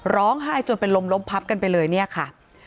ร้องไห้จนเป็นลมล้มพับกันไปเลยเนี่ยค่ะ